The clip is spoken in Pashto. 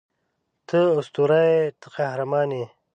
ته اسطوره یې ته قهرمان یې